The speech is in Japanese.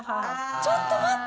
ちょっと待って。